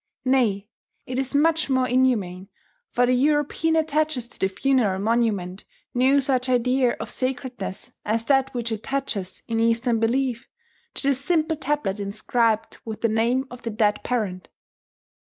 Nay, it is much more inhuman, for the European attaches to the funeral monument no such idea of sacredness as that which attaches, in Eastern belief, to the simple tablet inscribed with the name of the dead parent.